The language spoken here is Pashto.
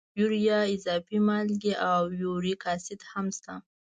یوریا، اضافي مالګې او یوریک اسید هم شته.